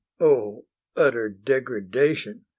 O utter degradation!